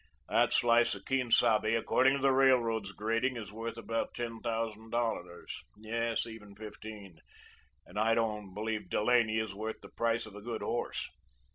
That slice of Quien Sabe, according to the Railroad's grading, is worth about ten thousand dollars; yes, even fifteen, and I don't believe Delaney is worth the price of a good horse.